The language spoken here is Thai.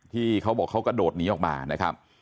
ที่เขาบอกเขากระโดดหนีออกมานะครับ